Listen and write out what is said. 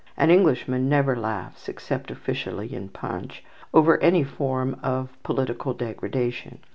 An Englishman never laughs except officially in "Punch" over any form of political degradation.